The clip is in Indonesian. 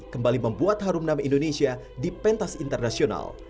kembali membuat harum nama indonesia di pentas internasional